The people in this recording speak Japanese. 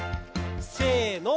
せの。